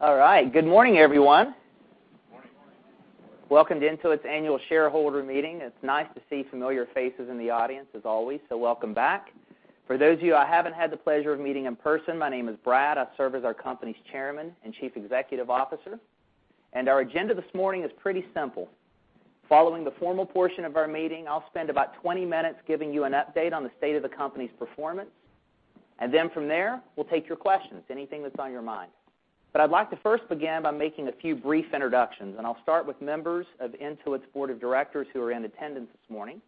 All right. Good morning, everyone. Good morning. Welcome to Intuit's annual shareholder meeting. It's nice to see familiar faces in the audience as always, so welcome back. For those of you I haven't had the pleasure of meeting in person, my name is Brad. I serve as our company's Chairman and Chief Executive Officer. Our agenda this morning is pretty simple. Following the formal portion of our meeting, I'll spend about 20 minutes giving you an update on the state of the company's performance. Then from there, we'll take your questions, anything that's on your mind. I'd like to first begin by making a few brief introductions, and I'll start with members of Intuit's board of directors who are in attendance this morning,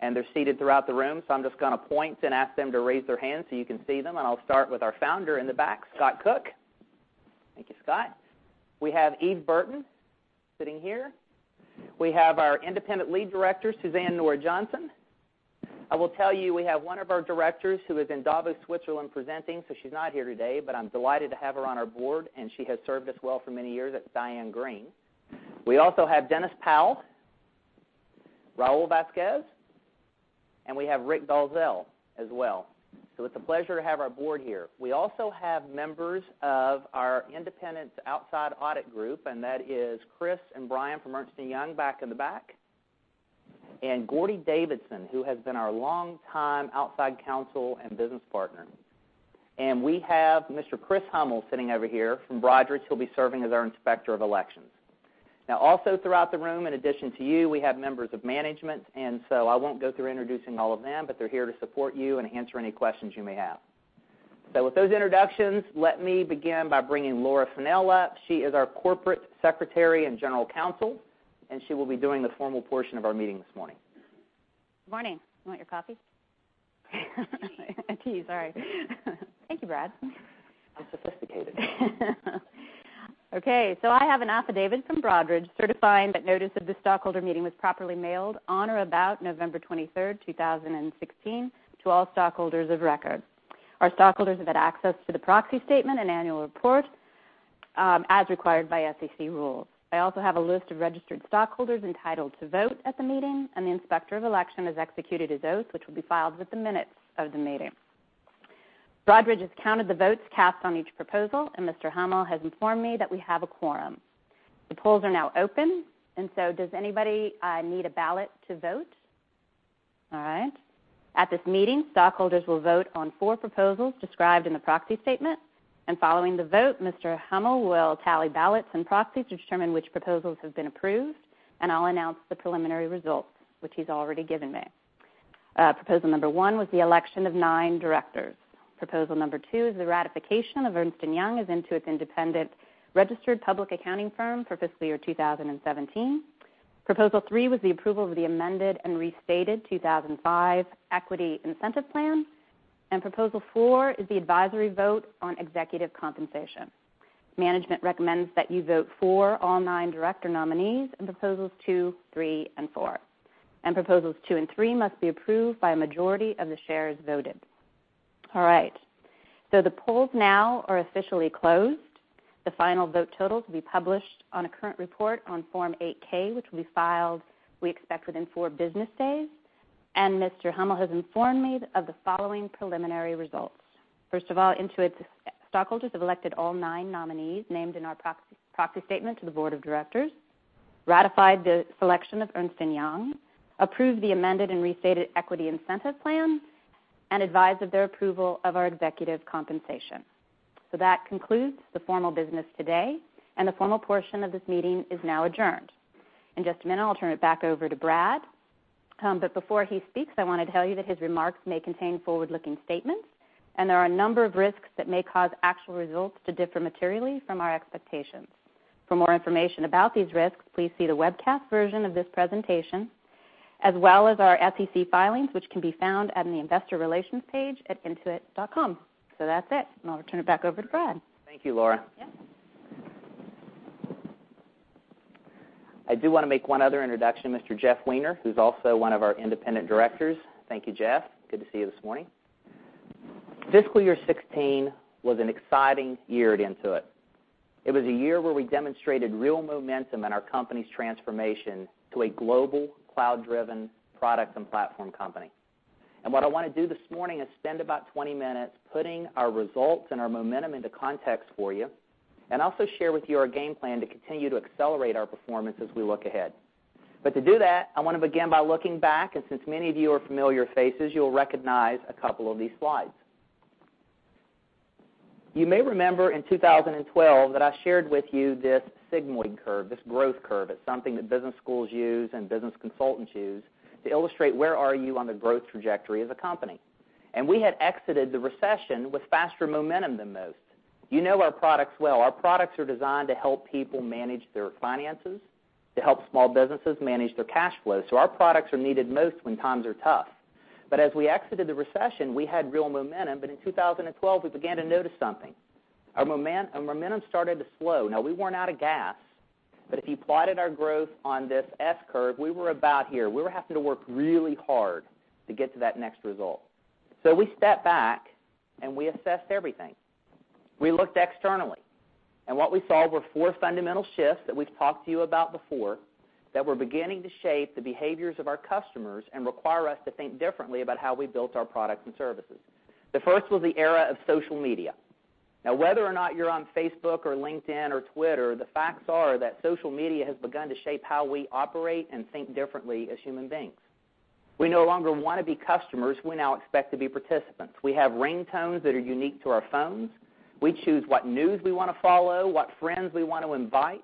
and they're seated throughout the room, so I'm just gonna point and ask them to raise their hands so you can see them. I'll start with our founder in the back, Scott Cook. Thank you, Scott. We have Eve Burton sitting here. We have our Lead Independent Director, Suzanne Nora Johnson. I will tell you, we have one of our directors who is in Davos, Switzerland presenting, so she's not here today, but I'm delighted to have her on our board, and she has served us well for many years. That's Diane Greene. We also have Dennis Powell, Raul Vazquez, and we have Rick Dalzell as well. So it's a pleasure to have our board here. We also have members of our independent outside audit group, and that is Chris and Brian from Ernst & Young back in the back. Gordy Davidson, who has been our longtime outside counsel and business partner. We have Mr. Chris Hummel sitting over here from Broadridge, who'll be serving as our Inspector of Elections. Now, also throughout the room, in addition to you, we have members of management, and so I won't go through introducing all of them, but they're here to support you and answer any questions you may have. With those introductions, let me begin by bringing Laura Fennell up. She is our Corporate Secretary and General Counsel, and she will be doing the formal portion of our meeting this morning. Good morning. Would you like coffee? Tea, sorry. Thank you, Brad. I'm sophisticated. Okay, I have an affidavit from Broadridge certifying that notice of this stockholder meeting was properly mailed on or about November 23, 2016 to all stockholders of record. Our stockholders have had access to the proxy statement and annual report, as required by SEC rules. I also have a list of registered stockholders entitled to vote at the meeting, and the Inspector of Election has executed his oath, which will be filed with the minutes of the meeting. Broadridge has counted the votes cast on each proposal, and Mr. Hummel has informed me that we have a quorum. The polls are now open, and does anybody need a ballot to vote? All right. At this meeting, stockholders will vote on four proposals described in the proxy statement. Following the vote, Mr. Hummel will tally ballots and proxies to determine which proposals have been approved, and I'll announce the preliminary results, which he's already given me. Proposal number 1 was the election of nine directors. Proposal number 2 is the ratification of Ernst & Young as Intuit's independent registered public accounting firm for fiscal year 2017. Proposal number 3 is the approval of the amended and restated 2005 equity incentive plan. Proposal 4 is the advisory vote on executive compensation. Management recommends that you vote for all 9 director nominees in proposals 2, 3, and 4. Proposals 2 and 3 must be approved by a majority of the shares voted. All right, the polls now are officially closed. The final vote total to be published on a current report on Form 8-K, which will be filed, we expect, within 4 business days. Mr. Hummel has informed me of the following preliminary results. First of all, Intuit stockholders have elected all nine nominees named in our proxy statement to the board of directors, ratified the selection of Ernst & Young, approved the amended and restated equity incentive plan, and advised of their approval of our executive compensation. That concludes the formal business today, and the formal portion of this meeting is now adjourned. In just a minute, I'll turn it back over to Brad. Before he speaks, I wanna tell you that his remarks may contain forward-looking statements, and there are a number of risks that may cause actual results to differ materially from our expectations. For more information about these risks, please see the webcast version of this presentation, as well as our SEC filings, which can be found on the investor relations page at intuit.com. That's it, and I'll turn it back over to Brad. Thank you, Laura. Yep. I do wanna make one other introduction, Mr. Jeff Weiner, who's also one of our independent directors. Thank you, Jeff. Good to see you this morning. Fiscal year 2016 was an exciting year at Intuit. It was a year where we demonstrated real momentum in our company's transformation to a global cloud-driven product and platform company. What I wanna do this morning is spend about 20 minutes putting our results and our momentum into context for you, and also share with you our game plan to continue to accelerate our performance as we look ahead. To do that, I wanna begin by looking back, and since many of you are familiar faces, you'll recognize a couple of these slides. You may remember in 2012 that I shared with you this sigmoid curve, this growth curve. It's something that business schools use and business consultants use to illustrate where are you on the growth trajectory as a company. We had exited the recession with faster momentum than most. You know our products well. Our products are designed to help people manage their finances, to help small businesses manage their cash flow, so our products are needed most when times are tough. As we exited the recession, we had real momentum, but in 2012, we began to notice something. Our momentum started to slow. Now we weren't out of gas, but if you plotted our growth on this S-curve, we were about here. We were having to work really hard to get to that next result. We stepped back, and we assessed everything. We looked externally. What we saw were four fundamental shifts that we've talked to you about before that we're beginning to shape the behaviors of our customers and require us to think differently about how we built our products and services. The first was the era of social media. Now, whether or not you're on Facebook or LinkedIn or Twitter, the facts are that social media has begun to shape how we operate and think differently as human beings. We no longer wanna be customers, we now expect to be participants. We have ringtones that are unique to our phones. We choose what news we wanna follow, what friends we want to invite,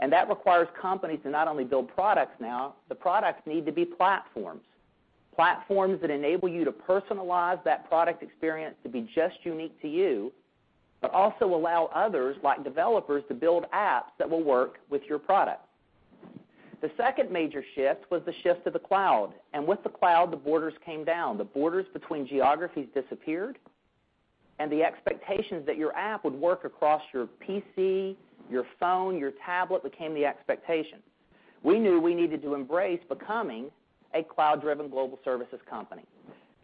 and that requires companies to not only build products now, the products need to be platforms. Platforms that enable you to personalize that product experience to be just unique to you, but also allow others, like developers, to build apps that will work with your product. The second major shift was the shift to the cloud. With the cloud, the borders came down. The borders between geographies disappeared, and the expectations that your app would work across your PC, your phone, your tablet, became the expectation. We knew we needed to embrace becoming a cloud-driven global services company.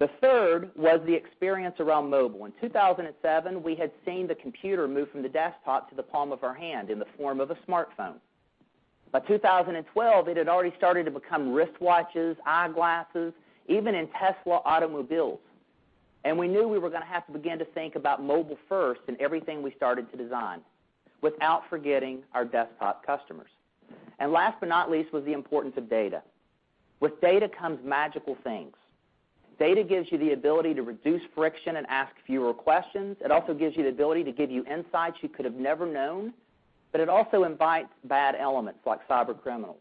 The third was the experience around mobile. In 2007, we had seen the computer move from the desktop to the palm of our hand in the form of a smartphone. By 2012, it had already started to become wristwatches, eyeglasses, even in Tesla automobiles. We knew we were gonna have to begin to think about mobile first in everything we started to design, without forgetting our desktop customers. Last but not least, was the importance of data. With data comes magical things. Data gives you the ability to reduce friction and ask fewer questions. It also gives you the ability to give you insights you could have never known. It also invites bad elements, like cybercriminals.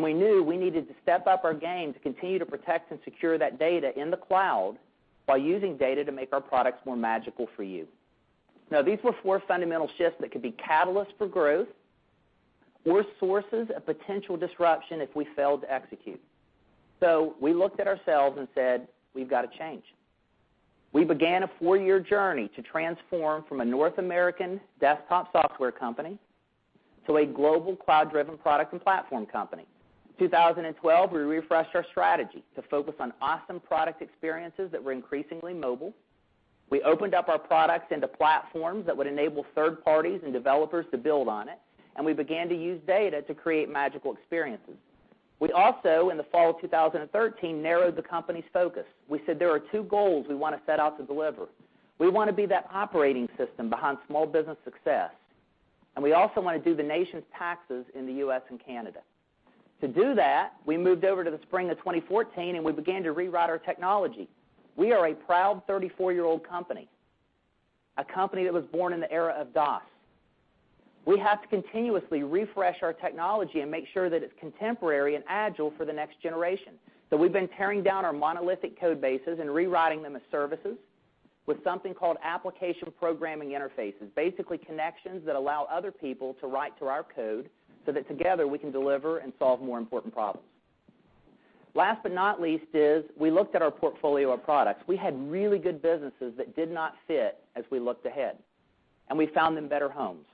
We knew we needed to step up our game to continue to protect and secure that data in the cloud by using data to make our products more magical for you. Now, these were four fundamental shifts that could be catalysts for growth or sources of potential disruption if we failed to execute. We looked at ourselves and said, "We've gotta change." We began a four-year journey to transform from a North American desktop software company to a global cloud-driven product and platform company. 2012, we refreshed our strategy to focus on awesome product experiences that were increasingly mobile. We opened up our products into platforms that would enable third parties and developers to build on it, and we began to use data to create magical experiences. We also, in the fall of 2013, narrowed the company's focus. We said there are two goals we wanna set out to deliver. We wanna be that operating system behind small business success, and we also wanna do the nation's taxes in the U.S. and Canada. To do that, we moved over to the spring of 2014, and we began to rewrite our technology. We are a proud 34-year-old company, a company that was born in the era of DOS. We have to continuously refresh our technology and make sure that it's contemporary and agile for the next generation. We've been tearing down our monolithic code bases and rewriting them as services with something called application programming interfaces. Basically, connections that allow other people to write to our code so that together, we can deliver and solve more important problems. Last but not least is we looked at our portfolio of products. We had really good businesses that did not fit as we looked ahead, and we found them better homes.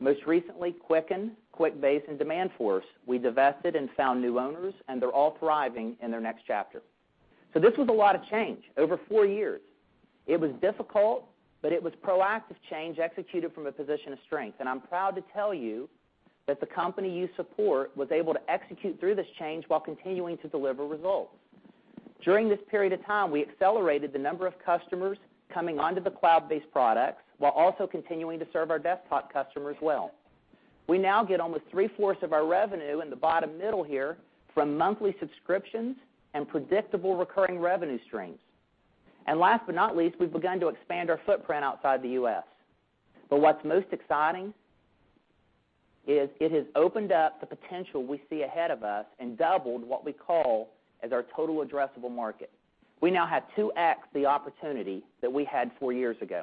Most recently, Quicken, QuickBase, and Demandforce, we divested and found new owners, and they're all thriving in their next chapter. This was a lot of change over 4 years. It was difficult, but it was proactive change executed from a position of strength. I'm proud to tell you that the company you support was able to execute through this change while continuing to deliver results. During this period of time, we accelerated the number of customers coming onto the cloud-based products while also continuing to serve our desktop customers well. We now get almost three-fourths of our revenue in the bottom middle here from monthly subscriptions and predictable recurring revenue streams. Last but not least, we've begun to expand our footprint outside the U.S. What's most exciting is it has opened up the potential we see ahead of us and doubled what we call as our total addressable market. We now have 2x the opportunity that we had 4 years ago.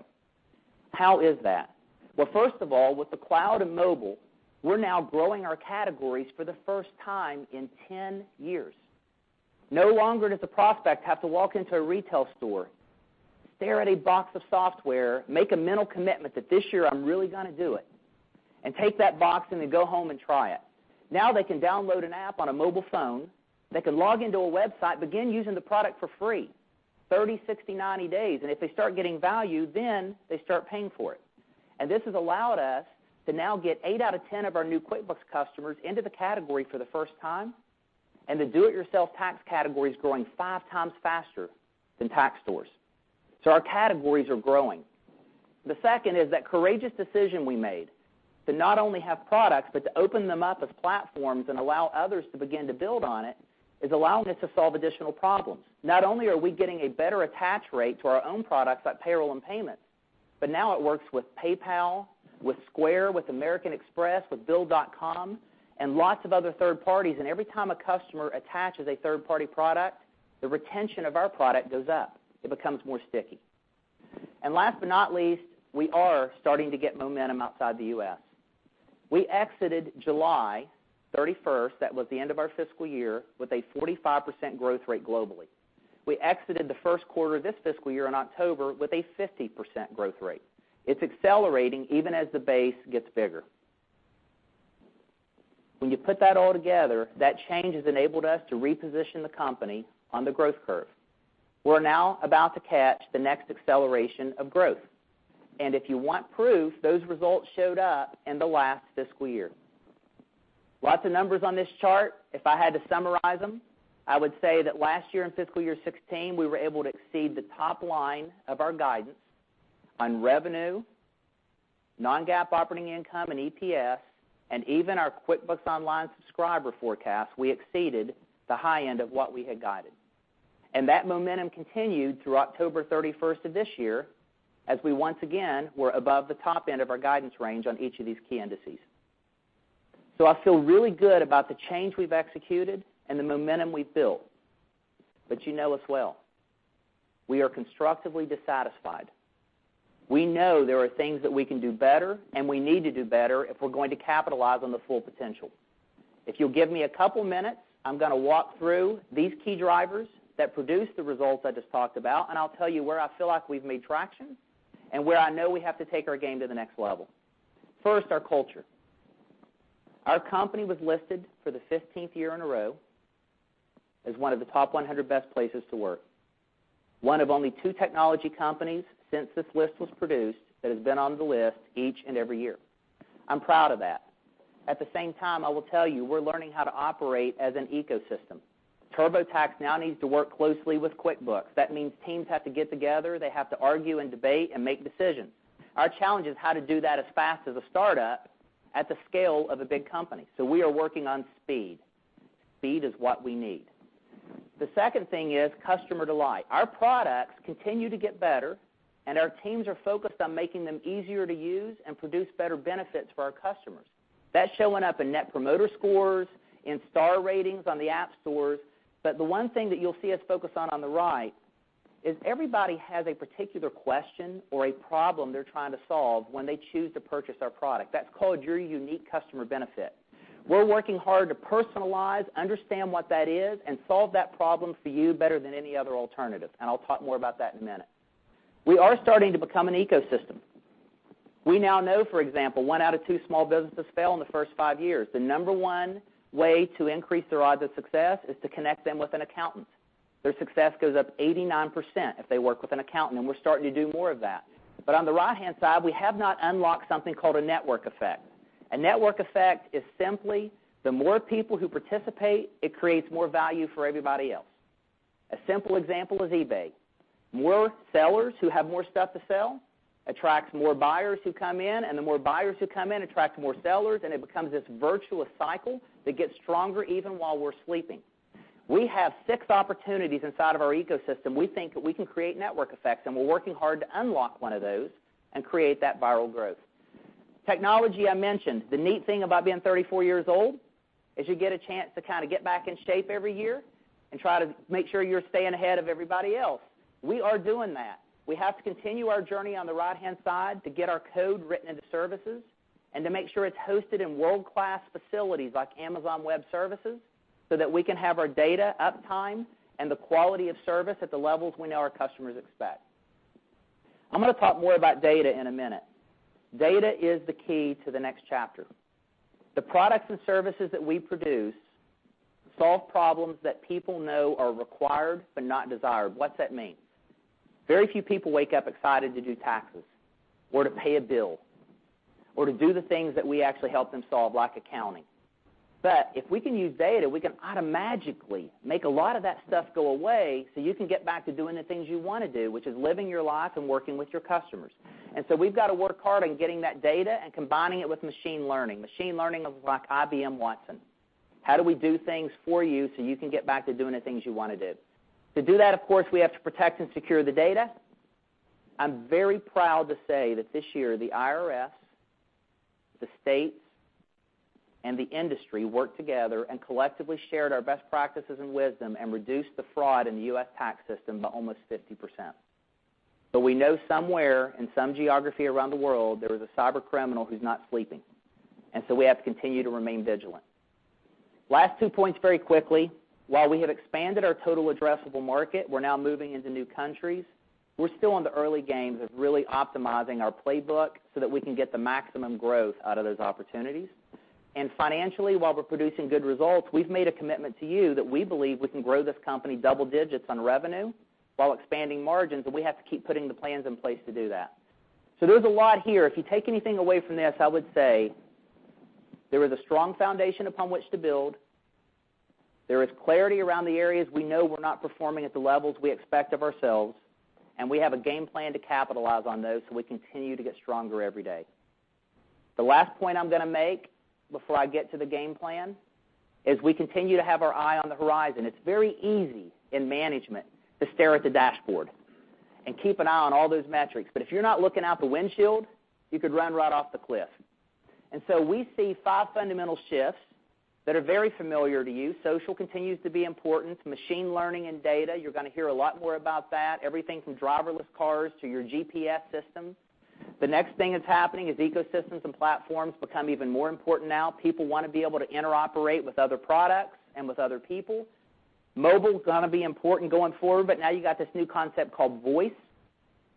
How is that? Well, first of all, with the cloud and mobile, we're now growing our categories for the first time in 10 years. No longer does a prospect have to walk into a retail store, stare at a box of software, make a mental commitment that this year I'm really gonna do it, and take that box and then go home and try it. Now they can download an app on a mobile phone. They can log into a website, begin using the product for free, 30, 60, 90 days. If they start getting value, then they start paying for it. This has allowed us to now get eight out of 10 of our new QuickBooks customers into the category for the first time. The do-it-yourself tax category is growing five times faster than tax stores. Our categories are growing. The second is that courageous decision we made to not only have products, but to open them up as platforms and allow others to begin to build on it, is allowing us to solve additional problems. Not only are we getting a better attach rate to our own products, like payroll and payment, but now it works with PayPal, with Square, with American Express, with Bill.com, and lots of other third parties. Every time a customer attaches a third-party product, the retention of our product goes up. It becomes more sticky. Last but not least, we are starting to get momentum outside the U.S. We exited July 31, that was the end of our fiscal year, with a 45% growth rate globally. We exited the first quarter this fiscal year in October with a 50% growth rate. It's accelerating even as the base gets bigger. When you put that all together, that change has enabled us to reposition the company on the growth curve. We're now about to catch the next acceleration of growth. If you want proof, those results showed up in the last fiscal year. Lots of numbers on this chart. If I had to summarize them, I would say that last year in fiscal year 2016, we were able to exceed the top line of our guidance on revenue, non-GAAP operating income and EPS, and even our QuickBooks Online subscriber forecast, we exceeded the high end of what we had guided. That momentum continued through October thirty-first of this year, as we once again were above the top end of our guidance range on each of these key indices. I feel really good about the change we've executed and the momentum we've built. You know us well. We are constructively dissatisfied. We know there are things that we can do better, and we need to do better if we're going to capitalize on the full potential. If you'll give me a couple minutes, I'm gonna walk through these key drivers that produce the results I just talked about, and I'll tell you where I feel like we've made traction and where I know we have to take our game to the next level. First, our culture. Our company was listed for the fifteenth year in a row as one of the top 100 best places to work, one of only two technology companies since this list was produced that has been on the list each and every year. I'm proud of that. At the same time, I will tell you, we're learning how to operate as an ecosystem. TurboTax now needs to work closely with QuickBooks. That means teams have to get together, they have to argue and debate and make decisions. Our challenge is how to do that as fast as a startup at the scale of a big company. We are working on speed. Speed is what we need. The second thing is customer delight. Our products continue to get better, and our teams are focused on making them easier to use and produce better benefits for our customers. That's showing up in Net Promoter Scores, in star ratings on the app stores, but the one thing that you'll see us focus on the right is everybody has a particular question or a problem they're trying to solve when they choose to purchase our product. That's called your unique customer benefit. We're working hard to personalize, understand what that is, and solve that problem for you better than any other alternative. I'll talk more about that in a minute. We are starting to become an ecosystem. We now know, for example, 1 out of 2 small businesses fail in the first 5 years. The number one way to increase their odds of success is to connect them with an accountant. Their success goes up 89% if they work with an accountant, and we're starting to do more of that. But on the right-hand side, we have not unlocked something called a network effect. A network effect is simply the more people who participate, it creates more value for everybody else. A simple example is eBay. More sellers who have more stuff to sell attracts more buyers who come in, and the more buyers who come in attract more sellers, and it becomes this virtuous cycle that gets stronger even while we're sleeping. We have 6 opportunities inside of our ecosystem we think that we can create network effects, and we're working hard to unlock one of those and create that viral growth. Technology, I mentioned. The neat thing about being 34 years old is you get a chance to kind of get back in shape every year and try to make sure you're staying ahead of everybody else. We are doing that. We have to continue our journey on the right-hand side to get our code written into services and to make sure it's hosted in world-class facilities like Amazon Web Services, so that we can have our data uptime and the quality of service at the levels we know our customers expect. I'm gonna talk more about data in a minute. Data is the key to the next chapter. The products and services that we produce solve problems that people know are required but not desired. What's that mean? Very few people wake up excited to do taxes or to pay a bill or to do the things that we actually help them solve, like accounting. If we can use data, we can automatically make a lot of that stuff go away so you can get back to doing the things you wanna do, which is living your life and working with your customers. We've got to work hard on getting that data and combining it with machine learning. Machine learning is like IBM Watson. How do we do things for you so you can get back to doing the things you wanna do? To do that, of course, we have to protect and secure the data. I'm very proud to say that this year, the IRS, the states, and the industry worked together and collectively shared our best practices and wisdom and reduced the fraud in the U.S. tax system by almost 50%. We know somewhere, in some geography around the world, there is a cybercriminal who's not sleeping. We have to continue to remain vigilant. Last two points very quickly. While we have expanded our total addressable market, we're now moving into new countries. We're still in the early games of really optimizing our playbook so that we can get the maximum growth out of those opportunities. Financially, while we're producing good results, we've made a commitment to you that we believe we can grow this company double digits on revenue while expanding margins, and we have to keep putting the plans in place to do that. There's a lot here. If you take anything away from this, I would say there is a strong foundation upon which to build. There is clarity around the areas we know we're not performing at the levels we expect of ourselves, and we have a game plan to capitalize on those so we continue to get stronger every day. The last point I'm gonna make before I get to the game plan is we continue to have our eye on the horizon. It's very easy in management to stare at the dashboard and keep an eye on all those metrics. But if you're not looking out the windshield, you could run right off the cliff. We see five fundamental shifts that are very familiar to you. Social continues to be important. Machine learning and data, you're gonna hear a lot more about that, everything from driverless cars to your GPS system. The next thing that's happening is ecosystems and platforms become even more important now. People wanna be able to interoperate with other products and with other people. Mobile's gonna be important going forward, but now you got this new concept called voice,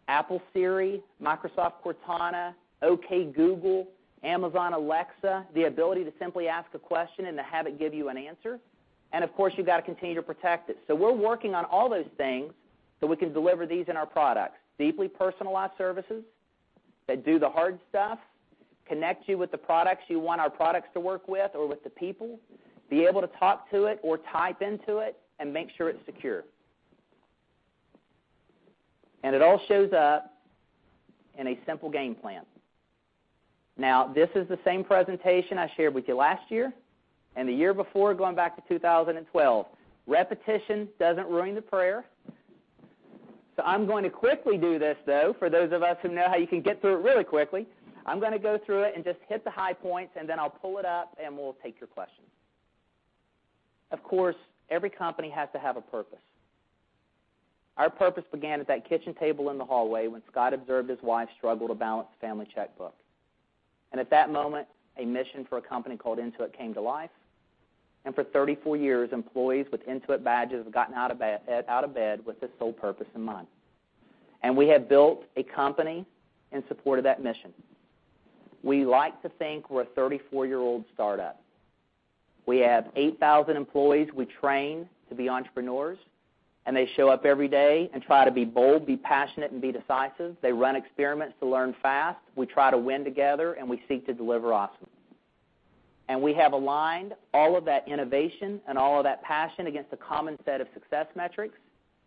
Apple Siri, Microsoft Cortana, OK Google, Amazon Alexa, the ability to simply ask a question and to have it give you an answer. Of course, you've got to continue to protect it. We're working on all those things so we can deliver these in our products, deeply personalized services that do the hard stuff, connect you with the products you want our products to work with or with the people, be able to talk to it or type into it and make sure it's secure. It all shows up in a simple game plan. Now this is the same presentation I shared with you last year and the year before, going back to 2012. Repetition doesn't ruin the prayer. I'm going to quickly do this, though, for those of us who know how you can get through it really quickly, I'm gonna go through it and just hit the high points, and then I'll pull it up, and we'll take your questions. Of course, every company has to have a purpose. Our purpose began at that kitchen table in the hallway when Scott observed his wife struggle to balance the family checkbook. At that moment, a mission for a company called Intuit came to life. For 34 years, employees with Intuit badges have gotten out of bed with this sole purpose in mind. We have built a company in support of that mission. We like to think we're a 34-year-old startup. We have 8,000 employees we train to be entrepreneurs, and they show up every day and try to be bold, be passionate, and be decisive. They run experiments to learn fast. We try to win together, and we seek to deliver awesome. We have aligned all of that innovation and all of that passion against a common set of success metrics.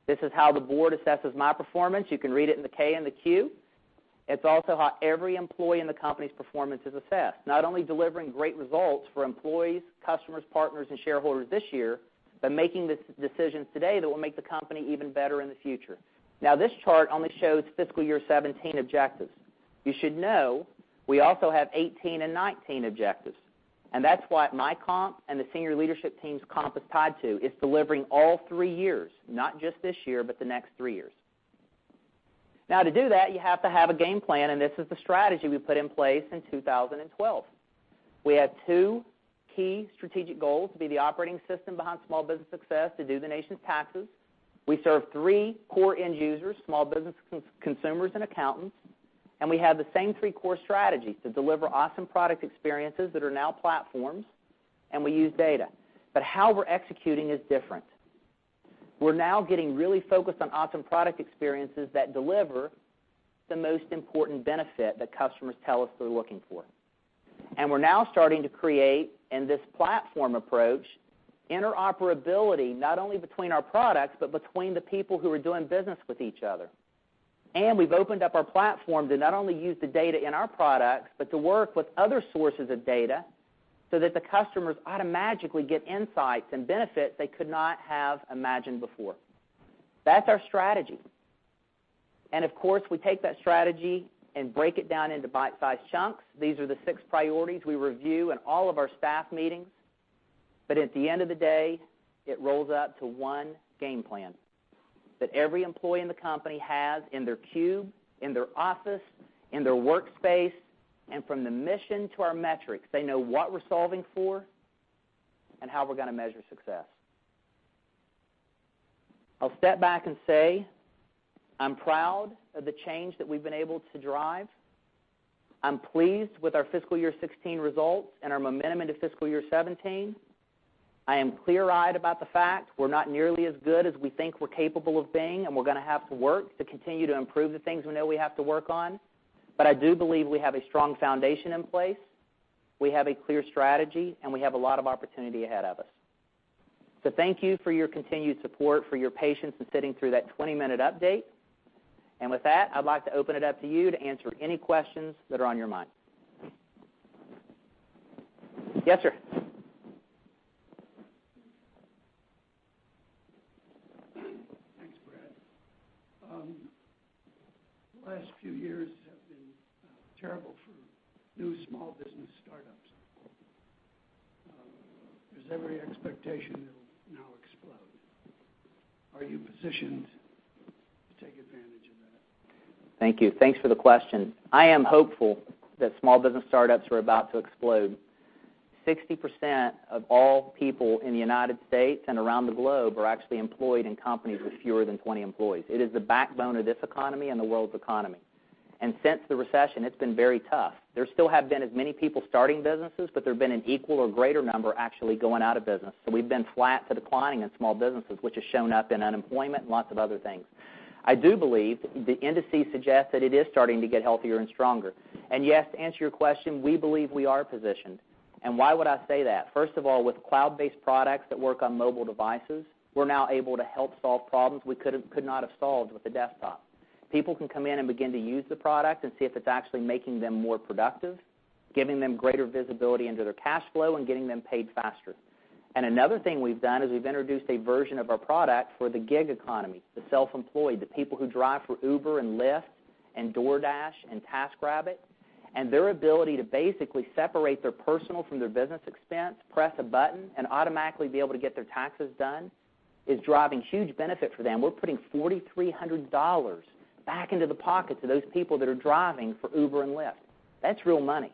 This is how the board assesses my performance. You can read it in the K and the Q. It's also how every employee's performance in the company is assessed, not only delivering great results for employees, customers, partners, and shareholders this year, but making decisions today that will make the company even better in the future. Now, this chart only shows fiscal year 2017 objectives. You should know we also have 18 and 19 objectives, and that's what my comp and the senior leadership team's comp is tied to, is delivering all three years, not just this year, but the next three years. Now to do that, you have to have a game plan, and this is the strategy we put in place in 2012. We had two key strategic goals, to be the operating system behind small business success, to do the nation's taxes. We serve three core end users, small business consumers and accountants. We have the same three core strategies to deliver awesome product experiences that are now platforms, and we use data. How we're executing is different. We're now getting really focused on awesome product experiences that deliver the most important benefit that customers tell us they're looking for. We're now starting to create, in this platform approach, interoperability not only between our products, but between the people who are doing business with each other. We've opened up our platform to not only use the data in our products, but to work with other sources of data so that the customers automatically get insights and benefits they could not have imagined before. That's our strategy. Of course, we take that strategy and break it down into bite-sized chunks. These are the six priorities we review in all of our staff meetings. At the end of the day, it rolls up to one game plan that every employee in the company has in their cube, in their office, in their workspace. From the mission to our metrics, they know what we're solving for and how we're gonna measure success. I'll step back and say, I'm proud of the change that we've been able to drive. I'm pleased with our fiscal year 16 results and our momentum into fiscal year 17. I am clear-eyed about the fact we're not nearly as good as we think we're capable of being, and we're gonna have to work to continue to improve the things we know we have to work on. I do believe we have a strong foundation in place. We have a clear strategy, and we have a lot of opportunity ahead of us. Thank you for your continued support, for your patience in sitting through that 20-minute update. With that, I'd like to open it up to you to answer any questions that are on your mind. Yes, sir. Thanks, Brad. The last few years have been terrible for new small business startups. There's every expectation it'll now explode. Are you positioned to take advantage of that? Thank you. Thanks for the question. I am hopeful that small business startups are about to explode. 60% of all people in the United States and around the globe are actually employed in companies with fewer than 20 employees. It is the backbone of this economy and the world's economy. Since the recession, it's been very tough. There still have been as many people starting businesses, but there have been an equal or greater number actually going out of business. We've been flat to declining in small businesses, which has shown up in unemployment and lots of other things. I do believe the indices suggest that it is starting to get healthier and stronger. Yes, to answer your question, we believe we are positioned. Why would I say that? First of all, with cloud-based products that work on mobile devices, we're now able to help solve problems we could not have solved with a desktop. People can come in and begin to use the product and see if it's actually making them more productive, giving them greater visibility into their cash flow, and getting them paid faster. Another thing we've done is we've introduced a version of our product for the gig economy, the self-employed, the people who drive for Uber and Lyft and DoorDash and TaskRabbit. Their ability to basically separate their personal from their business expense, press a button, and automatically be able to get their taxes done, is driving huge benefit for them. We're putting $4,300 back into the pockets of those people that are driving for Uber and Lyft. That's real money.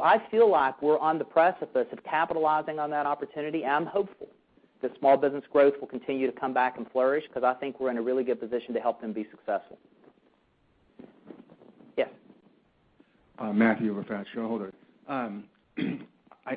I feel like we're on the precipice of capitalizing on that opportunity, and I'm hopeful that small business growth will continue to come back and flourish because I think we're in a really good position to help them be successful. Yes. Matthew with First Shareholder Services.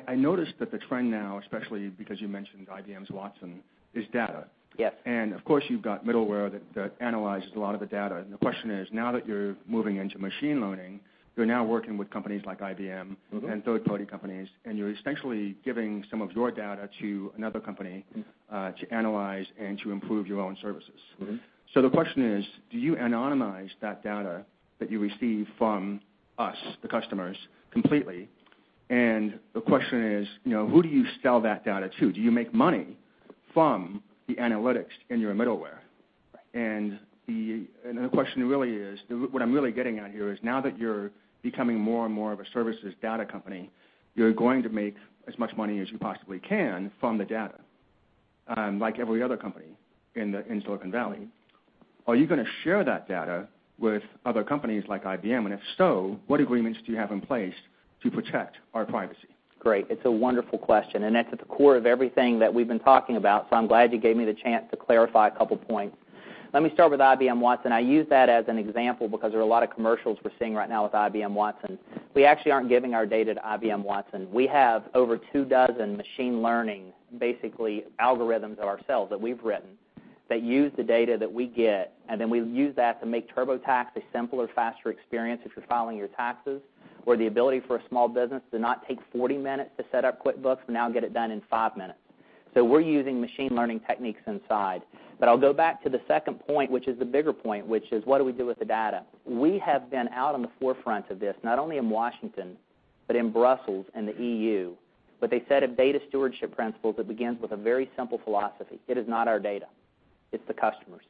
I noticed that the trend now, especially because you mentioned IBM Watson, is data. Yes. Of course, you've got middleware that analyzes a lot of the data. The question is, now that you're moving into machine learning, you're now working with companies like IBM- Mm-hmm. third-party companies, and you're essentially giving some of your data to another company, to analyze and to improve your own services. Mm-hmm. The question is, do you anonymize that data that you receive from us, the customers, completely? The question is, you know, who do you sell that data to? Do you make money from the analytics in your middleware? Another question really is, what I'm really getting at here is now that you're becoming more and more of a services data company, you're going to make as much money as you possibly can from the data, like every other company in Silicon Valley. Are you gonna share that data with other companies like IBM? If so, what agreements do you have in place to protect our privacy? Great. It's a wonderful question, and that's at the core of everything that we've been talking about, so I'm glad you gave me the chance to clarify a couple points. Let me start with IBM Watson. I use that as an example because there are a lot of commercials we're seeing right now with IBM Watson. We actually aren't giving our data to IBM Watson. We have over 24 machine learning, basically, algorithms ourselves that we've written that use the data that we get, and then we use that to make TurboTax a simpler, faster experience if you're filing your taxes or the ability for a small business to not take 40 minutes to set up QuickBooks but now get it done in 5 minutes. We're using machine learning techniques inside. I'll go back to the second point, which is the bigger point, which is what do we do with the data. We have been out on the forefront of this, not only in Washington, but in Brussels and the EU, but they set a data stewardship principle that begins with a very simple philosophy. It is not our data, it's the customer's.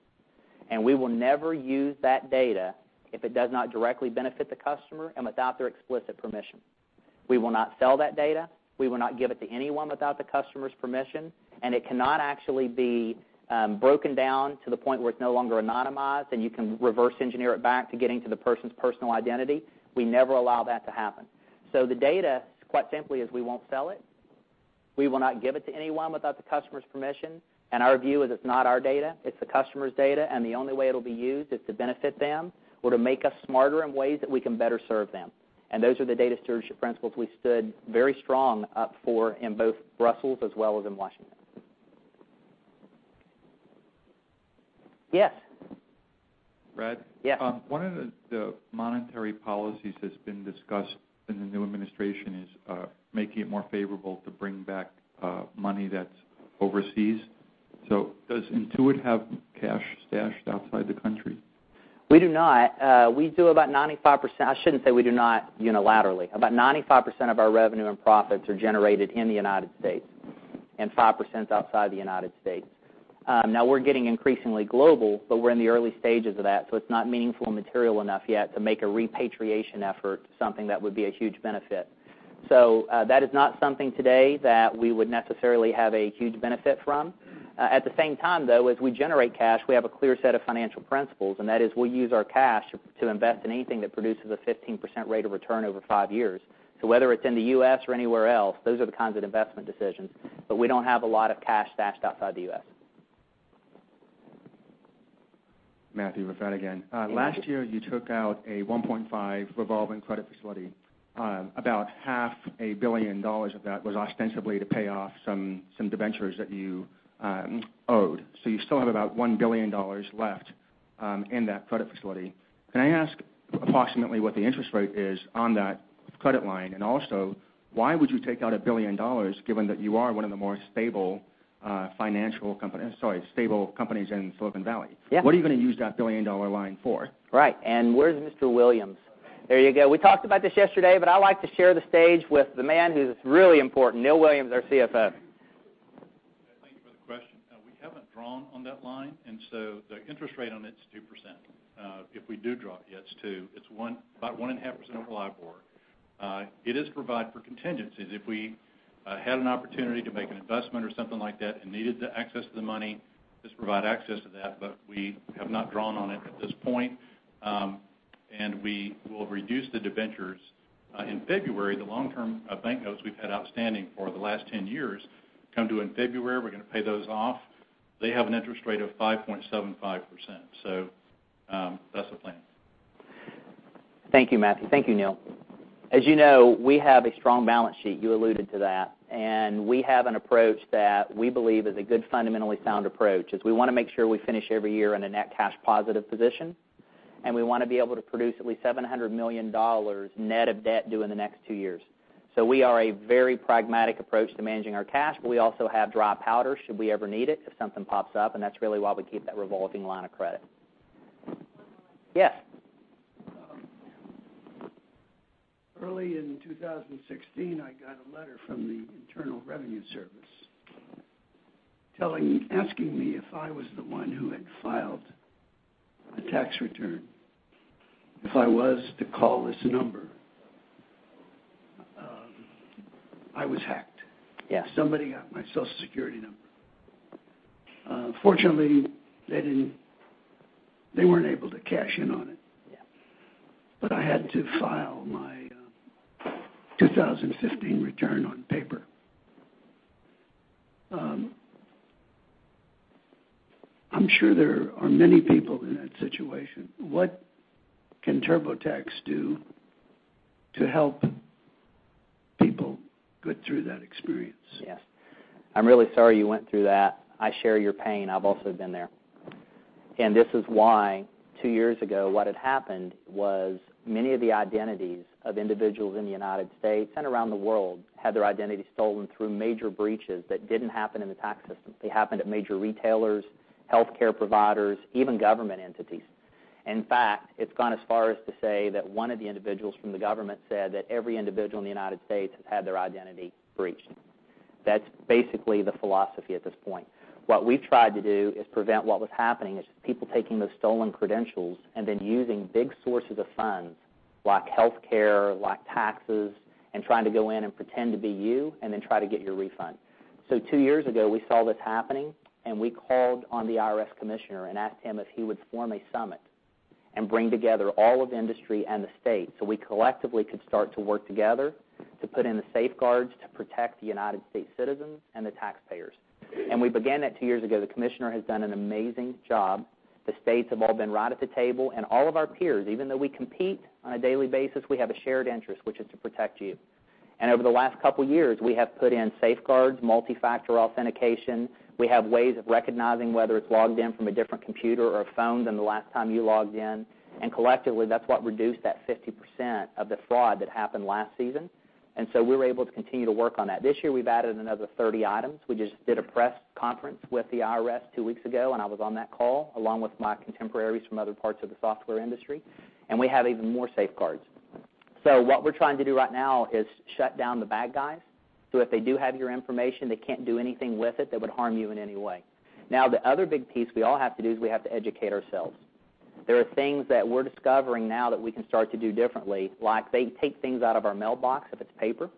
We will never use that data if it does not directly benefit the customer and without their explicit permission. We will not sell that data. We will not give it to anyone without the customer's permission, and it cannot actually be broken down to the point where it's no longer anonymized, and you can reverse engineer it back to getting to the person's personal identity. We never allow that to happen. The data, quite simply, is we won't sell it. We will not give it to anyone without the customer's permission, and our view is it's not our data, it's the customer's data, and the only way it'll be used is to benefit them or to make us smarter in ways that we can better serve them. Those are the data stewardship principles we stood very strong up for in both Brussels as well as in Washington. Yes. Brad? Yes. One of the monetary policies that's been discussed in the new administration is making it more favorable to bring back money that's overseas. Does Intuit have cash stashed outside the country? About 95% of our revenue and profits are generated in the United States, and 5% is outside the United States. Now we're getting increasingly global, but we're in the early stages of that, so it's not meaningful and material enough yet to make a repatriation effort something that would be a huge benefit. That is not something today that we would necessarily have a huge benefit from. At the same time, though, as we generate cash, we have a clear set of financial principles, and that is we use our cash to invest in anything that produces a 15% rate of return over 5 years. Whether it's in the U.S. or anywhere else, those are the kinds of investment decisions, but we don't have a lot of cash stashed outside the U.S. Matthew with First Shareholder again. Yes. Last year, you took out a $1.5 billion revolving credit facility. About half a billion dollars of that was ostensibly to pay off some debentures that you owed. You still have about $1 billion left in that credit facility. Can I ask approximately what the interest rate is on that credit line? And also, why would you take out $1 billion given that you are one of the more stable companies in Silicon Valley? Yeah. What are you gonna use that billion-dollar line for? Right, and where's Mr. Williams? There you go. We talked about this yesterday, but I like to share the stage with the man who's really important, Neil Williams, our CFO. Thank you for the question. We haven't drawn on that line, and so the interest rate on it's 2%. If we do draw, it's about 1.5% over LIBOR. It is provided for contingencies. If we had an opportunity to make an investment or something like that and needed the access to the money, this provide access to that, but we have not drawn on it at this point. We will reduce the debentures in February. The long-term bank notes we've had outstanding for the last 10 years come due in February. We're gonna pay those off. They have an interest rate of 5.75%, so that's the plan. Thank you, Matthew. Thank you, Neil. As you know, we have a strong balance sheet. You alluded to that. We have an approach that we believe is a good fundamentally sound approach, is we wanna make sure we finish every year in a net cash positive position, and we wanna be able to produce at least $700 million net of debt due in the next two years. We are a very pragmatic approach to managing our cash. We also have dry powder should we ever need it if something pops up, and that's really why we keep that revolving line of credit. One more. Yes. Early in 2016, I got a letter from the Internal Revenue Service asking me if I was the one who had filed a tax return, if I was, to call this number. I was hacked. Yes. Somebody got my Social Security number. Fortunately, they weren't able to cash in on it. Yeah. I had to file my 2015 return on paper. I'm sure there are many people in that situation. What can TurboTax do to help people get through that experience? Yes. I'm really sorry you went through that. I share your pain. I've also been there. This is why 2 years ago, what had happened was many of the identities of individuals in the United States and around the world had their identity stolen through major breaches that didn't happen in the tax system. They happened at major retailers, healthcare providers, even government entities. In fact, it's gone as far as to say that one of the individuals from the government said that every individual in the United States has had their identity breached. That's basically the philosophy at this point. What we've tried to do is prevent what was happening, is people taking those stolen credentials and then using big sources of funds like healthcare, like taxes, and trying to go in and pretend to be you and then try to get your refund. Two years ago, we saw this happening, and we called on the IRS commissioner and asked him if he would form a summit and bring together all of industry and the states so we collectively could start to work together to put in the safeguards to protect the United States citizens and the taxpayers. We began that two years ago. The commissioner has done an amazing job. The states have all been right at the table, and all of our peers, even though we compete on a daily basis, we have a shared interest, which is to protect you. Over the last couple years, we have put in safeguards, multi-factor authentication. We have ways of recognizing whether it's logged in from a different computer or a phone than the last time you logged in. Collectively, that's what reduced that 50% of the fraud that happened last season. We were able to continue to work on that. This year we've added another 30 items. We just did a press conference with the IRS two weeks ago, and I was on that call along with my contemporaries from other parts of the software industry, and we have even more safeguards. What we're trying to do right now is shut down the bad guys, so if they do have your information, they can't do anything with it that would harm you in any way. Now, the other big piece we all have to do is we have to educate ourselves. There are things that we're discovering now that we can start to do differently, like they take things out of our mailbox if it's paper.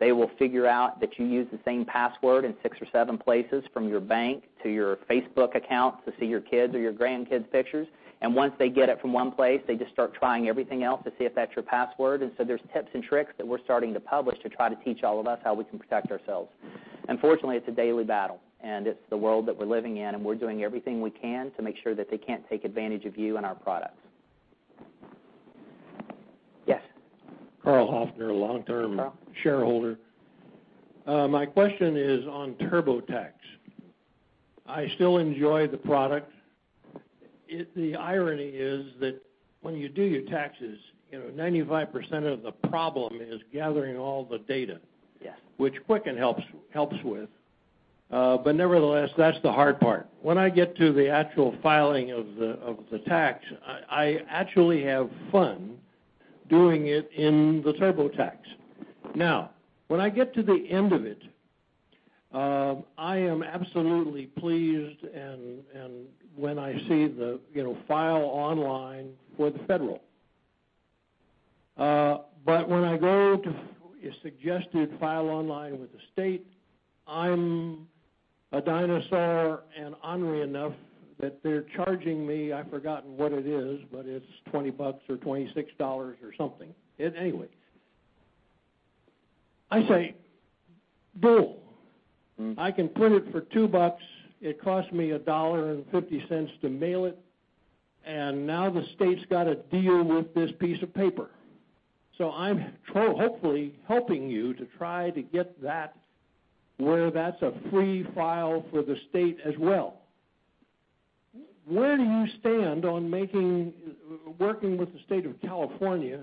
They will figure out that you use the same password in six or seven places, from your bank to your Facebook account to see your kids' or your grandkids' pictures. Once they get it from one place, they just start trying everything else to see if that's your password. There's tips and tricks that we're starting to publish to try to teach all of us how we can protect ourselves. Unfortunately, it's a daily battle, and it's the world that we're living in, and we're doing everything we can to make sure that they can't take advantage of you and our products. Yes. Carl Hoffner, long-term Hi, Carl. Shareholder. My question is on TurboTax. I still enjoy the product. The irony is that when you do your taxes, you know, 95% of the problem is gathering all the data. Yes which Quicken helps with. Nevertheless, that's the hard part. When I get to the actual filing of the tax, I actually have fun doing it in TurboTax. Now, when I get to the end of it, I am absolutely pleased and when I see the, you know, file online for the federal. When I go to suggested file online with the state, I'm a dinosaur and ornery enough that they're charging me. I've forgotten what it is, but it's $20 or $26 or something. Anyway, I say, "Bull. Mm. I can print it for $2. It costs me $1.50 to mail it, and now the state's got to deal with this piece of paper. I'm hopefully helping you to try to get that where that's a free file for the state as well. Where do you stand on working with the state of California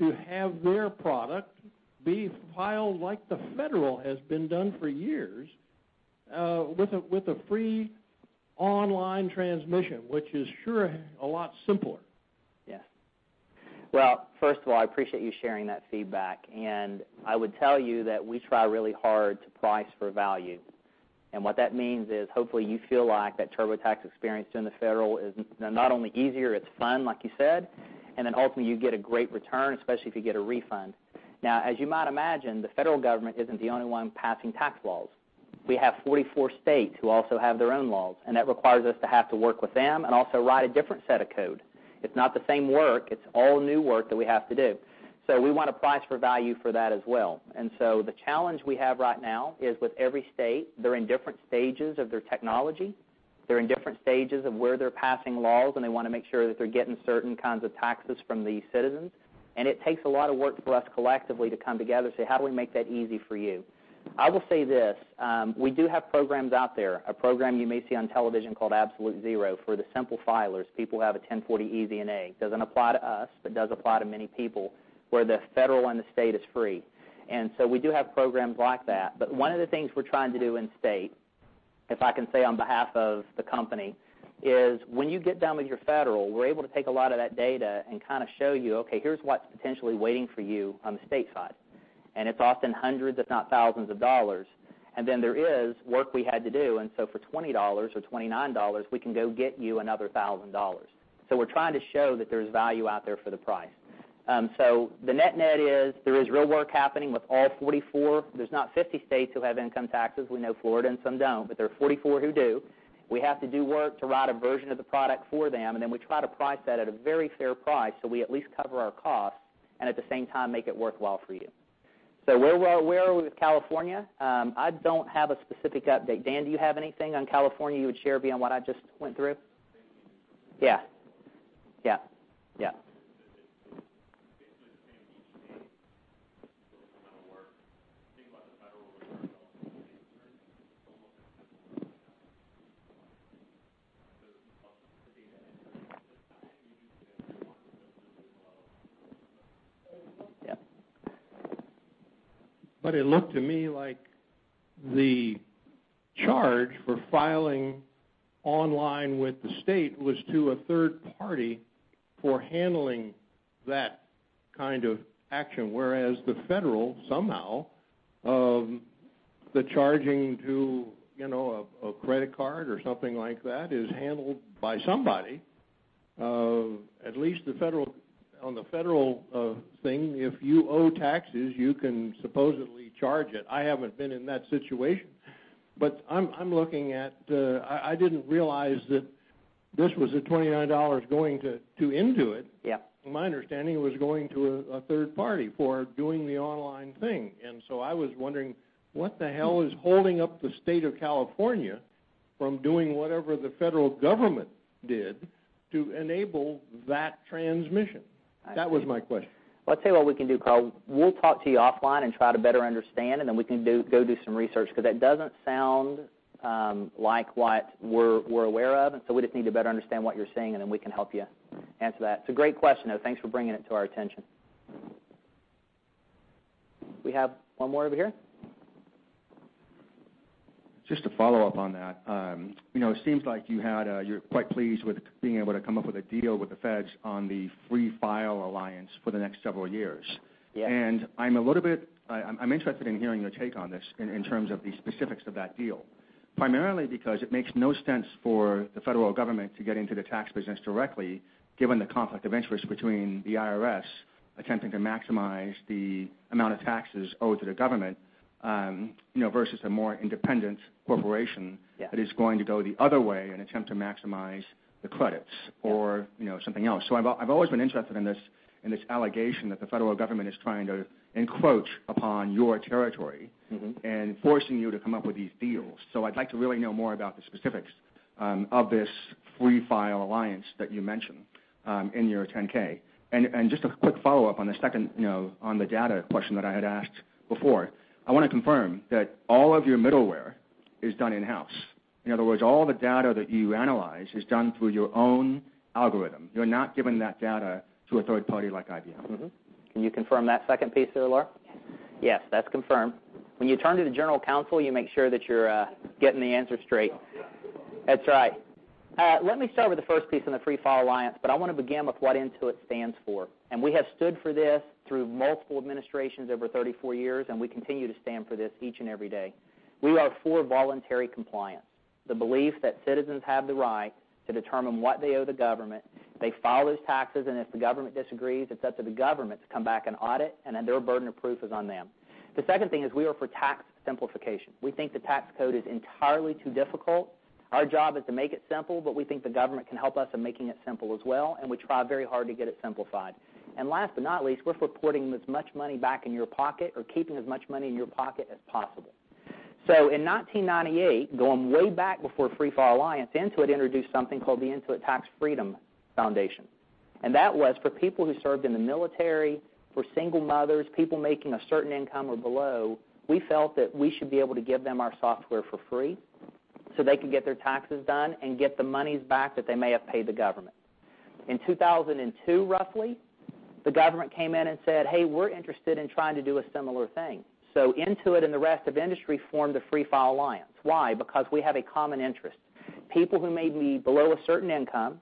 to have their product be filed like the federal has been done for years, with a free online transmission, which is sure a lot simpler? Yes. Well, first of all, I appreciate you sharing that feedback. I would tell you that we try really hard to price for value. What that means is, hopefully you feel like that TurboTax experience in the federal is not only easier, it's fun, like you said, and then ultimately you get a great return, especially if you get a refund. Now, as you might imagine, the federal government isn't the only one passing tax laws. We have 44 states who also have their own laws, and that requires us to have to work with them and also write a different set of code. It's not the same work. It's all new work that we have to do. We want to price for value for that as well. The challenge we have right now is with every state, they're in different stages of their technology. They're in different stages of where they're passing laws, and they want to make sure that they're getting certain kinds of taxes from the citizens. It takes a lot of work for us collectively to come together and say, "How do we make that easy for you?" I will say this, we do have programs out there, a program you may see on television called Absolute Zero for the simple filers, people who have a 1040EZ and A. Doesn't apply to us, but does apply to many people, where the federal and the state is free. We do have programs like that. One of the things we're trying to do in state, if I can say on behalf of the company, is when you get done with your federal, we're able to take a lot of that data and kind of show you, okay, here's what's potentially waiting for you on the state side. It's often hundreds, if not thousands, of dollars. Then there is work we had to do. For $20 or $29, we can go get you another $1,000. We're trying to show that there's value out there for the price. The net-net is there is real work happening with all 44. There's not 50 states who have income taxes. We know Florida and some don't, but there are 44 who do. We have to do work to write a version of the product for them, and then we try to price that at a very fair price, so we at least cover our costs and at the same time make it worthwhile for you. Where are we with California? I don't have a specific update. Dan, do you have anything on California you would share beyond what I just went through? Yeah. It looked to me like the charge for filing online with the state was to a third party for handling that kind of action, whereas the federal, somehow, the charging to, you know, a credit card or something like that is handled by somebody. At least the federal thing, if you owe taxes, you can supposedly charge it. I haven't been in that situation. I'm looking at. I didn't realize that this was a $29 going to Intuit. Yeah. My understanding is it was going to a third party for doing the online thing. I was wondering, what the hell is holding up the state of California from doing whatever the federal government did to enable that transmission? I see. That was my question. Well, I'll tell you what we can do, Carl. We'll talk to you offline and try to better understand, and then we can go do some research. 'Cause that doesn't sound like what we're aware of. We just need to better understand what you're saying, and then we can help you answer that. It's a great question, though. Thanks for bringing it to our attention. We have one more over here. Just to follow up on that, you know, it seems like you're quite pleased with being able to come up with a deal with the feds on the Free File Alliance for the next several years. Yeah. I'm a little bit interested in hearing your take on this in terms of the specifics of that deal, primarily because it makes no sense for the federal government to get into the tax business directly, given the conflict of interest between the IRS attempting to maximize the amount of taxes owed to the government, you know, versus a more independent corporation- Yeah That is going to go the other way and attempt to maximize the credits or, you know, something else. I've always been interested in this allegation that the federal government is trying to encroach upon your territory. Mm-hmm forcing you to come up with these deals. I'd like to really know more about the specifics of this Free File Alliance that you mention in your 10-K. And just a quick follow-up on the second, you know, on the data question that I had asked before. I wanna confirm that all of your middleware is done in-house. In other words, all the data that you analyze is done through your own algorithm. You're not giving that data to a third party like IBM. Mm-hmm. Can you confirm that second piece there, Laura? Yes. Yes, that's confirmed. When you turn to the General Counsel, you make sure that you're getting the answers straight. Yeah. That's right. Let me start with the first piece on the Free File Alliance, but I wanna begin with what Intuit stands for. We have stood for this through multiple administrations over 34 years, and we continue to stand for this each and every day. We are for voluntary compliance, the belief that citizens have the right to determine what they owe the government. They file those taxes, and if the government disagrees, it's up to the government to come back and audit, and then their burden of proof is on them. The second thing is we are for tax simplification. We think the tax code is entirely too difficult. Our job is to make it simple, but we think the government can help us in making it simple as well, and we try very hard to get it simplified. Last but not least, we're focused on putting as much money back in your pocket or keeping as much money in your pocket as possible. In 1998, going way back before Free File Alliance, Intuit introduced something called the Intuit Financial Freedom Foundation, and that was for people who served in the military, for single mothers, people making a certain income or below. We felt that we should be able to give them our software for free so they can get their taxes done and get the money back that they may have paid the government. In 2002, roughly, the government came in and said, "Hey, we're interested in trying to do a similar thing." Intuit and the rest of the industry formed the Free File Alliance. Why? Because we have a common interest. People who may be below a certain income,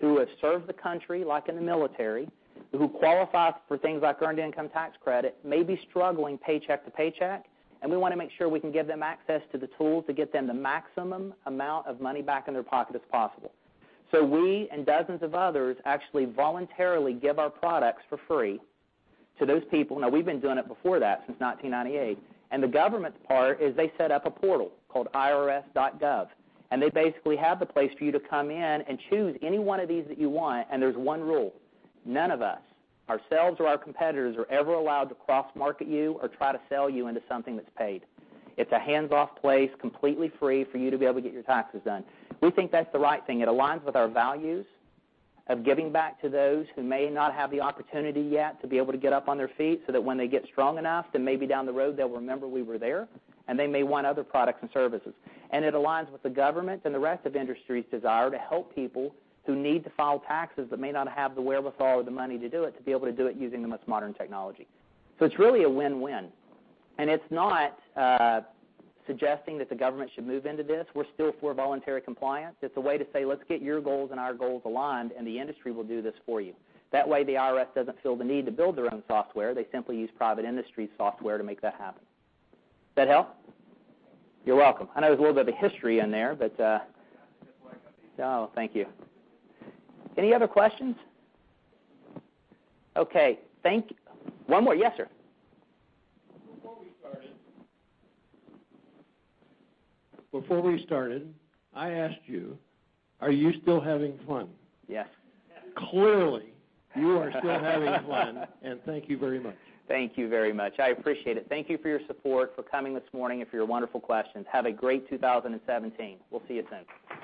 who have served the country, like in the military, who qualify for things like Earned Income Tax Credit, may be struggling paycheck to paycheck, and we wanna make sure we can give them access to the tools to get them the maximum amount of money back in their pocket as possible. We and dozens of others actually voluntarily give our products for free to those people. Now we've been doing it before that, since 1998. The government's part is they set up a portal called irs.gov, and they basically have the place for you to come in and choose any one of these that you want, and there's one rule. None of us, ourselves or our competitors, are ever allowed to cross-market you or try to sell you into something that's paid. It's a hands-off place, completely free for you to be able to get your taxes done. We think that's the right thing. It aligns with our values of giving back to those who may not have the opportunity yet to be able to get up on their feet, so that when they get strong enough, then maybe down the road they'll remember we were there, and they may want other products and services. It aligns with the government and the rest of industry's desire to help people who need to file taxes but may not have the wherewithal or the money to do it, to be able to do it using the most modern technology. It's really a win-win. It's not suggesting that the government should move into this. We're still for voluntary compliance. It's a way to say, "Let's get your goals and our goals aligned, and the industry will do this for you." That way, the IRS doesn't feel the need to build their own software. They simply use private industry software to make that happen. Does that help? You're welcome. I know there's a little bit of history in there. Yeah. Oh, thank you. Any other questions? Okay, One more. Yes, sir. Before we started, I asked you, are you still having fun? Yes. Clearly, you are still having fun. Thank you very much. Thank you very much. I appreciate it. Thank you for your support, for coming this morning, and for your wonderful questions. Have a great 2017. We'll see you soon.